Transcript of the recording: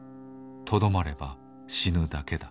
とどまれば死ぬだけだ』。